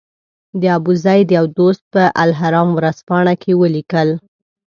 د ابوزید یو دوست په الاهرام ورځپاڼه کې ولیکل.